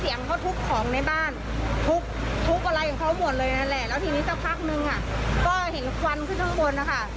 เห็นร้านสังกรรมภัณฑ์ของเจ๊เป๊ก